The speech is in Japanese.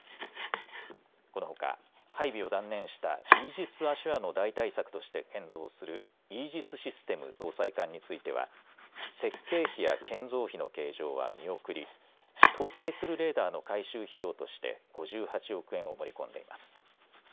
このほか配備を断念したイージス・アショアの代替策として建造するイージス・システム搭載艦については設計費や建造費の計上は見送り搭載するレーダーの改修費用として５８億円を盛り込んでいます。